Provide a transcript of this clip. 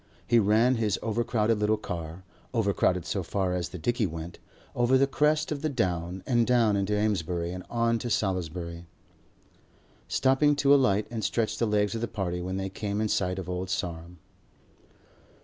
He ran his overcrowded little car, overcrowded so far as the dicky went, over the crest of the Down and down into Amesbury and on to Salisbury, stopping to alight and stretch the legs of the party when they came in sight of Old Sarum.